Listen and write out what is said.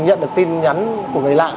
khi nhận được tin nhắn của người lạ